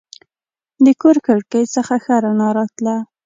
د کور کړکۍ څخه ښه رڼا راتله.